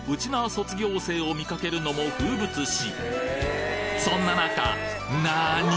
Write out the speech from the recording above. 卒業生を見かけるのも風物詩そんな中なに！？